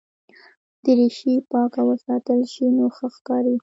دریشي پاکه وساتل شي نو ښه ښکاري.